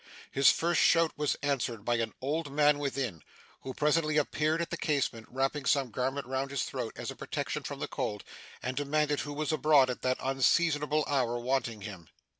His first shout was answered by an old man within, who presently appeared at the casement, wrapping some garment round his throat as a protection from the cold, and demanded who was abroad at that unseasonable hour, wanting him.